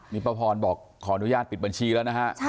นี่ป้าพรบอกขออนุญาตปิดบัญชีแล้วนะฮะ